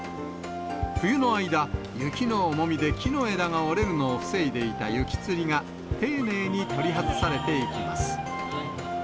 冬の間、雪の重みで木の枝が折れるのを防いでいた雪つりが、丁寧に取り外されていきます。